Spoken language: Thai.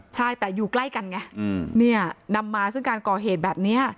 ใช่แต่อยู่ใกล้กันไงเนี่ยนำมาซึ่งการก่อเหตุแบบนี้